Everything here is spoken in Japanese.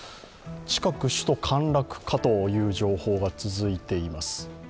近く首都陥落かという情報が続いています。